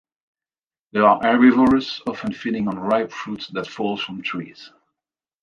They are herbivorous, often feeding on ripe fruit that falls from trees.